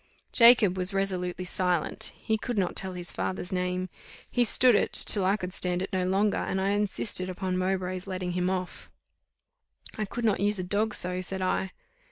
Jacob was resolutely silent; he would not tell his father's name. He stood it, till I could stand it no longer, and I insisted upon Mowbray's letting him off. "I could not use a dog so," said I.